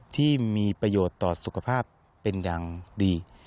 ที่มีประโยชน์ต่อสุขภาพเป็นอย่างดี